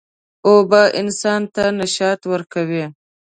اوبه انسان ته نشاط ورکوي.